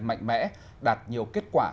mạnh mẽ đạt nhiều kết quả